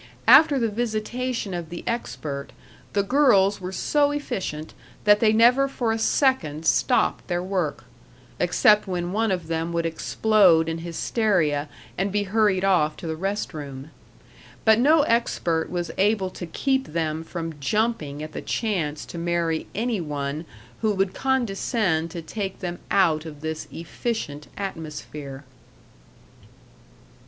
After the visitation of the expert the girls were so efficient that they never for a second stopped their work except when one of them would explode in hysteria and be hurried off to the rest room. But no expert was able to keep them from jumping at the chance to marry any one who would condescend to take them out of this efficient atmosphere.